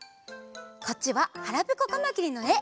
こっちは「はらぺこカマキリ」のえ。